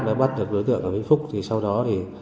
đã bắt được đối tượng ở vĩnh phúc thì sau đó thì